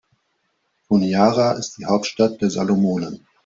Honiara ist die Hauptstadt der Salomonen.